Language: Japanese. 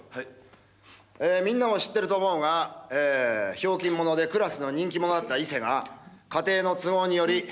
みんなも知ってると思うがひょうきん者でクラスの人気者だった伊勢が家庭の都合により。